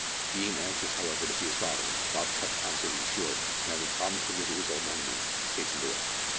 Being anxious, however, to see his father, Bob cut the conversation short, and, having promised to visit his old enemy, hastened away.